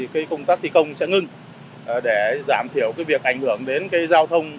công tác thi công sẽ ngưng để giảm thiểu việc ảnh hưởng đến giao thông